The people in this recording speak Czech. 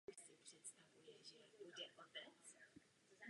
Na vrcholu mají dutý osten obsahující nektar.